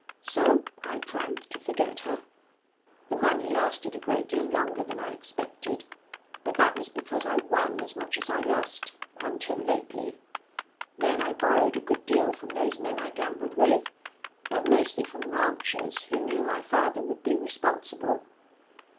So I drank to forget her.... The money lasted a great deal longer than I expected. But that was because I won as much as I lost, until lately. Then I borrowed a good deal from those men I gambled with, but mostly from ranchers who knew my father would be responsible....